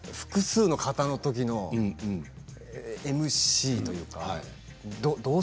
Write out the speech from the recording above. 複数の方のＭＣというか。